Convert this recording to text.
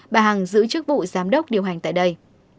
bà hằng giữ chức vụ giám đốc điều hành tại đây